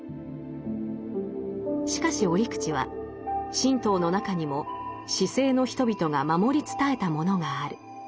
しかし折口は神道の中にも市井の人々が守り伝えたものがある。